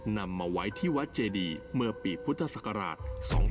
นำมาไว้ที่วัดเจดีเมื่อปีพุทธศักราช๒๕๖